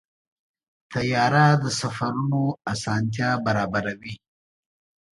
طیاره د سفرونو اسانتیا برابروي.